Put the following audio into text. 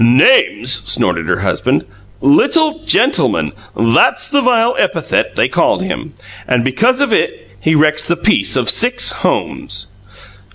"'Names!'" snorted her husband. "'Little gentleman!' THAT'S the vile epithet they called him! And because of it he wrecks the peace of six homes!"